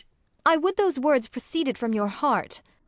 _ I would those words proceeded from your heart!